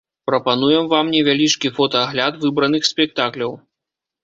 Прапануем вам невялічкі фотаагляд выбраных спектакляў.